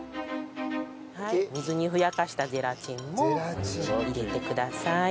水にふやかしたゼラチンも入れてください。